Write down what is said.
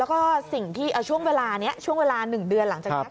แล้วก็สิ่งที่ช่วงเวลา๑เดือนหลังจากนี้